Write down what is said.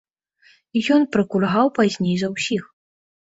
Ён прыкульгаў пазней за ўсіх.